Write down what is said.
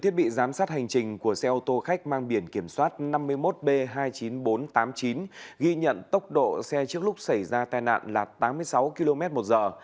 thiết bị giám sát hành trình của xe ô tô khách mang biển kiểm soát năm mươi một b hai mươi chín nghìn bốn trăm tám mươi chín ghi nhận tốc độ xe trước lúc xảy ra tai nạn là tám mươi sáu km một giờ